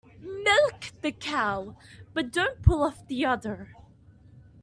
Milk the cow but don't pull off the udder.